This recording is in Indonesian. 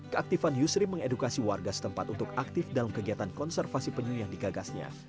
keaktifan yusri mengedukasi warga setempat untuk aktif dalam kegiatan konservasi penyu yang digagasnya